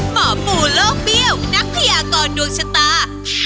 หมอปู่โลกเบี้ยวนักพยากรดวงชะตา